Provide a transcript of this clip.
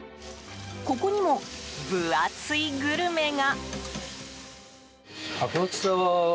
ここにも、分厚いグルメが。